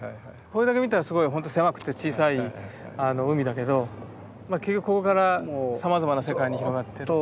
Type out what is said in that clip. これだけ見たらすごいほんと狭くて小さい海だけど結局ここからさまざまな世界に広がってる。